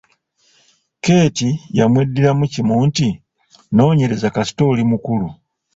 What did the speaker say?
Keeti yamweddiramu kimu nti, “Nonyereza kasita oli mukulu”.